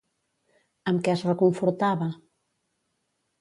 Amb què es reconfortava?